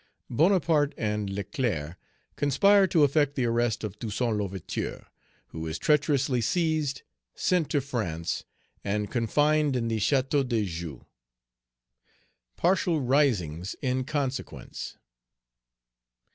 Bonaparte and Leclerc conspire to effect the arrest of Toussaint L'Ouverture, who is treacherously seized, sent to France, and confined in the Chateau de Joux; partial risings in consequence.